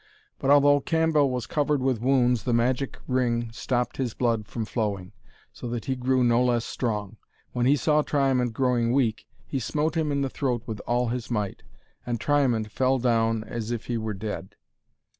But although Cambell was covered with wounds the magic ring stopped his blood from flowing, so that he grew no less strong. When he saw Triamond growing weak, he smote him in the throat with all his might, and Triamond fell down as if he were dead.